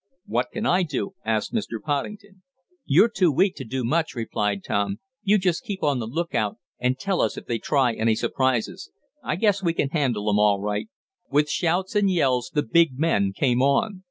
"What can I do?" asked Mr. Poddington. "You're too weak to do much," replied Tom. "You just keep on the lookout, and tell us if they try any surprises. I guess we can handle 'em all right." With shouts and yells the big men came on.